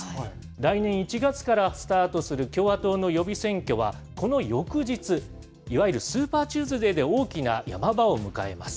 来年１月からスタートする共和党の予備選挙は、この翌日、いわゆるスーパーチューズデーで大きなヤマ場を迎えます。